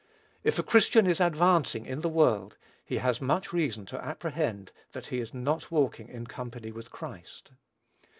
If a Christian is advancing in the world, he has much reason to apprehend that he is not walking in company with Christ.